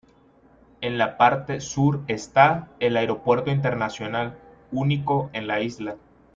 En la parte sur está el aeropuerto internacional, único en la isla.